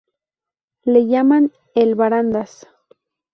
Le llaman "el barandas".